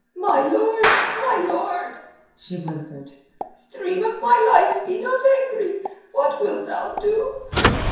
"My lord, my lord!" she whimpered. "Stream of my life, be not angry! What wilt thou do?"